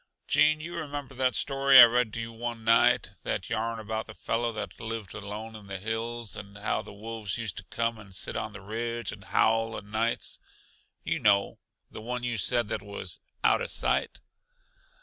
"Gene, you remember that story I read to you one night that yarn about the fellow that lived alone in the hills, and how the wolves used to come and sit on the ridge and howl o' nights you know, the one you said was 'out uh sight'?